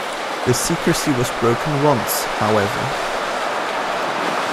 This secrecy was broken once, however.